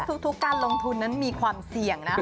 แต่ว่าทุกการลงทุนนั้นมีความเสี่ยงนะคะ